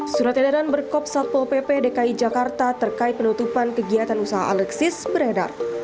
surat edaran berkop satpol pp dki jakarta terkait penutupan kegiatan usaha alexis beredar